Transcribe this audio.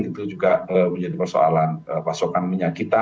itu juga menjadi persoalan pasokan minyak kita